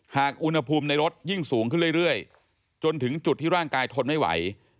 อุณหภูมิในรถยิ่งสูงขึ้นเรื่อยจนถึงจุดที่ร่างกายทนไม่ไหว